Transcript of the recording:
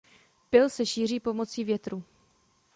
Pyl se šíří pomocí větru.